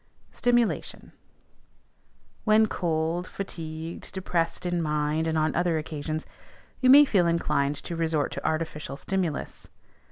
STIMULATION. When cold, fatigued, depressed in mind, and on other occasions, you may feel inclined to resort to artificial stimulus.